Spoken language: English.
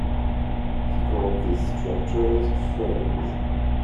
He called these structures "frames".